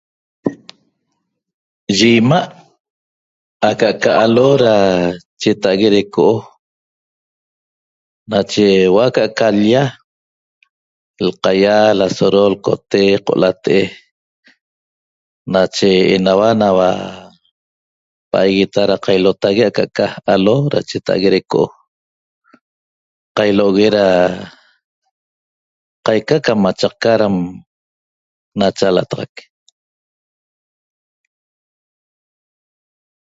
Eye imaa que eca alo chetaague da roc o' nache huoo' ca l'lia lcalya la nohole lasoro , co latee nache enaguaq na da cailotegue ca aca roc o' da qaica qamchaca nachalataxaq